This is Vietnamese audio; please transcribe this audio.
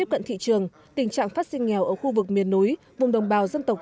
lận thị trường tình trạng phát sinh nghèo ở khu vực miền núi vùng đồng bào dân tộc